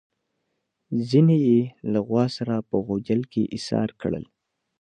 چیني یې له غوا سره په غوجل کې ایسار کړل.